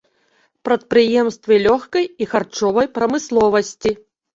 Прадпрыемствы лёгкай і харчовай прамысловасці.